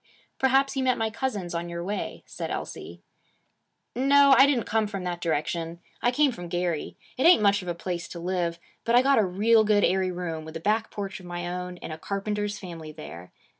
'Perhaps you met my cousins on your way,' said Elsie. 'No. I didn't come from that direction. I came from Gary. It ain't much of a place to live. But I got a real good airy room, with a back porch of my own, in a carpenter's family there.